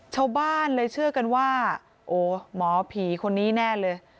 ชาวบ้านเลยเชื่อกันว่าโอ้หมอผีคนนี้แน่เลย